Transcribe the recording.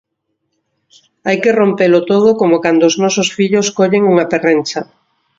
Hai que rompelo todo como cando os nosos fillos collen unha perrencha.